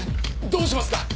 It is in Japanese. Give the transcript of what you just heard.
どうしますか？